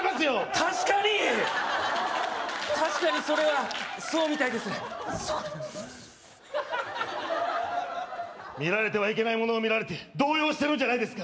確かに確かにそれはそうみたいですそこに見られてはいけないものを見られて動揺してるんじゃないですか？